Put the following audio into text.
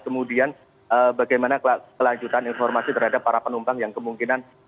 kemudian bagaimana kelanjutan informasi terhadap para penumpang yang kemungkinan